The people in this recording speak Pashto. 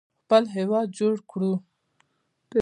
خپل هیواد جوړ کړو.